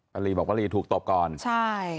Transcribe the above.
ลีบอกว่าลีถูกตบก่อนใช่